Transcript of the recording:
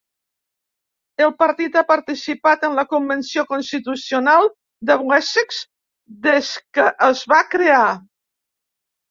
El partit ha participat en la Convenció Constitucional de Wessex des que es va crear.